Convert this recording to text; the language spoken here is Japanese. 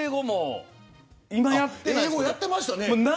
やってましたね。